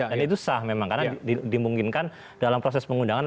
dan itu sah memang karena dimungkinkan dalam proses pengundangan